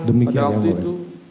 demikian yang mulia